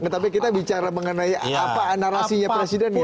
tapi kita bicara mengenai apa narasinya presiden ya